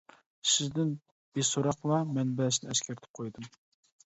سىز دىن بىسوراقلا، مەنبەسىنى ئەسكەرتىپ قويدۇم.